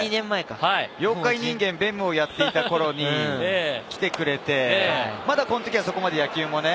『妖怪人間ベム』をやっていた頃に来てくれて、まだこの時はそこまで野球もね。